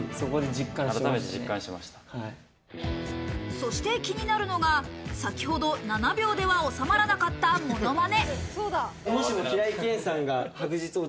そして気になるのが、先ほど７秒では収まらなかったモノマネ。